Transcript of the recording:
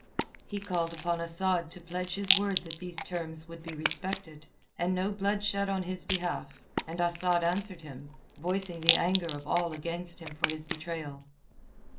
He called upon Asad to pledge his word that these terms would be respected, and no blood shed on his behalf, and Asad answered him, voicing the anger of all against him for his betrayal.